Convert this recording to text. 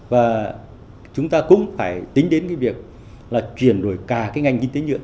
và chúng ta cũng phải tính đến cái việc là chuyển đổi cả cái ngành kinh tế nhựa